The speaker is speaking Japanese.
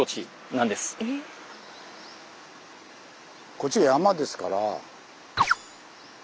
こっちは山ですから。